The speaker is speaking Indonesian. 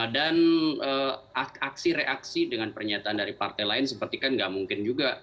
dan aksi reaksi dengan pernyataan dari partai lain seperti kan tidak mungkin juga